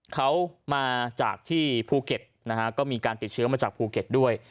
เขามาจากที่ภูเก็ตนะฮะก็มีการติดเชื้อมาจากภูเก็ตด้วย